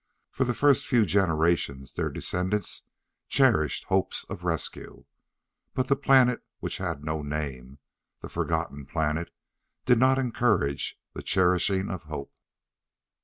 For the first few generations their descendants cherished hopes of rescue. But the planet which had no name the forgotten planet did not encourage the cherishing of hope.